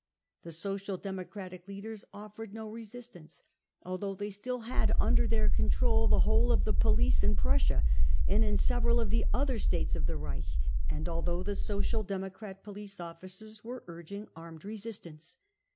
The Social Democrat leaders offered no resistance, although they still had under their control the whole of the police in Prussia and in several of the other States of the Reich, and although the Social Democrat police officers were urging armed resistance.